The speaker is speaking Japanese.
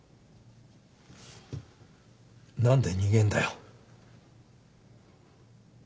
何で逃げんだよ。